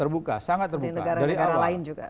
terbuka sangat terbuka dari awal